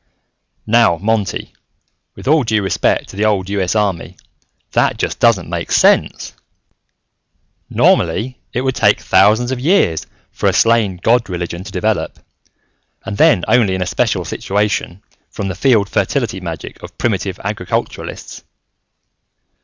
"Now, Monty, with all due respect to the old US Army, that just doesn't make sense! Normally, it would take thousands of years for a slain god religion to develop, and then only in a special situation, from the field fertility magic of primitive agriculturists.